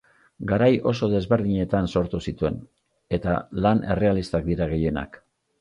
Garai oso desberdinetan sortu zituen, eta lan errealistak dira gehienak.